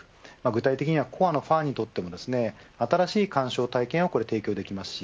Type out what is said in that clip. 具体的にはコアなファンにとっても新しい鑑賞体験を提供できます。